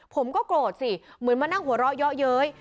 ผมก็โกรธสิเหมือนมานั่งหัวเราะเยอะเย้ย